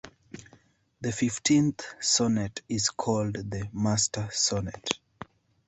The fifteenth sonnet is called the Mastersonnet.